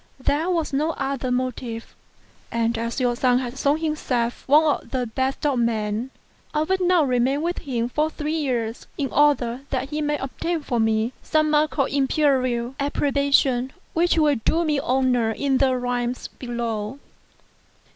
There was no other motive; and, as your son has shewn him self one of the best of men, I would now remain with him for three years in order that he may obtain for me some mark of Imperial approbation 4 which will do me honour in the realms below."